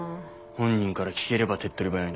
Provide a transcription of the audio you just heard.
本人から聞ければ手っ取り早いんだが。